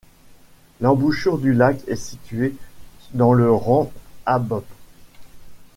L'embouchure du lac est situé dans le rang Abbott.